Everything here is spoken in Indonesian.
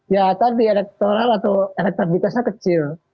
ya tadi elektoral atau elektabilitasnya kecil